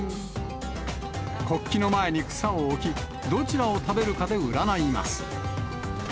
国旗の前に草を置き、どちらを食べるかで占います。